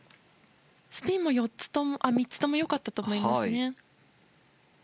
スピンも３つとも良かったと思いますね。